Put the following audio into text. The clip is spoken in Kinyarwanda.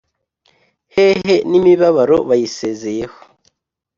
Hehe n’ imibabaro, Bayisezeyeho,